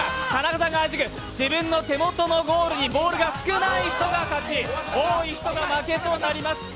自分の手元のゴールにボールが少ない人が勝ち多い人が負けとなります。